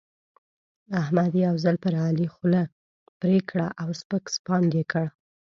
احمد یو ځل پر علي خوله پرې کړه او سپک سپاند يې کړ.